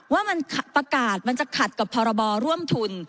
ว่ามันประกาศมันจะขัดกับพรบร่วมทุน